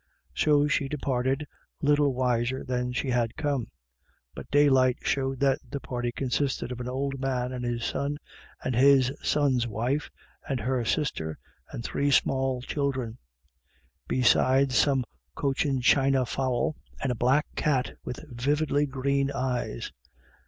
' So she departed little wiser than she had come. But daylight showed that the party con sisted of an old man, and his son, and his son's wife, and her sister, and three small children ; besides some cochin china fowl, and a black cat with viv idly green eyes.